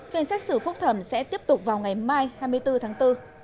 phiên xét xử phúc thẩm sẽ tiếp tục vào ngày mai hai mươi bốn tháng bốn